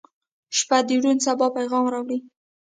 • شپه د روڼ سبا پیغام راوړي.